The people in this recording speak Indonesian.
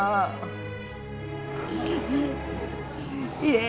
daripada insya allah